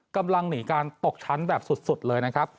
กำลังหนีการตกชั้นแบบสุดเลย